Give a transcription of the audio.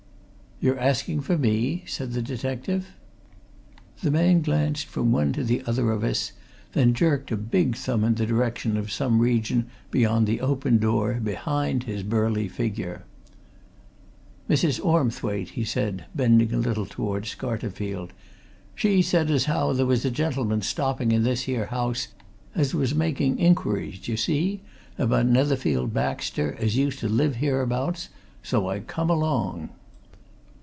"You're asking for me?" said the detective. The man glanced from one to the other of us; then jerked a big thumb in the direction of some region beyond the open door behind his burly figure. "Mrs. Ormthwaite," he said, bending a little towards Scarterfield. "She said as how there was a gentleman stopping in this here house as was making inquiries, d'ye see, about Netherfield Baxter, as used to live hereabouts. So I come along."